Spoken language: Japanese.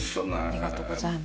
ありがとうございます。